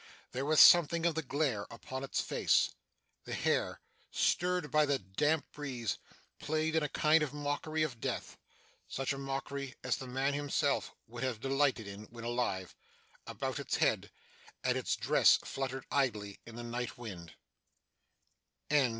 There was something of the glare upon its face. The hair, stirred by the damp breeze, played in a kind of mockery of death such a mockery as the dead man himself would have delighted in when alive about its head, and its dress fluttered idly in the night wind.